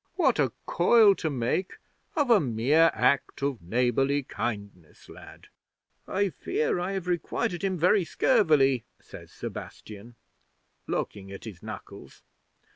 What a coil to make of a mere act of neighbourly kindness, lad!" '"I fear I have requited him very scurvily," says Sebastian, looking at his knuckles.